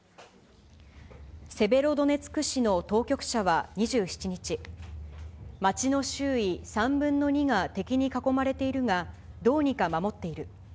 セベロドネツク市の当局者は２７日、街の周囲３分の２が敵に囲まれているが、どうにか守っている。